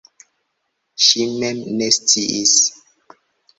Ŝi mem ne sciis.